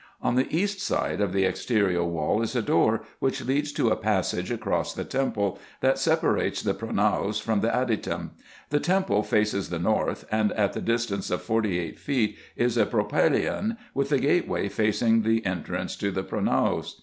On the east side of the exterior wall is a door, which leads to a passage across the temple, that separates the pro naos from the adytum. The temple faces the north, and at the distance of forty eight feet is a propylaeon, with the gateway facing the entrance to the pronaos.